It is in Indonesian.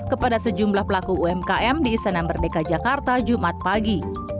kepada sejumlah pelaku umkm di istana merdeka jakarta jumat pagi